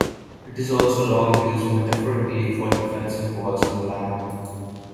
It is also long used metaphorically for defensive walls on land.